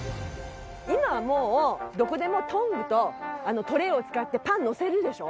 今はもうどこでもトングとトレーを使ってパンのせるでしょ？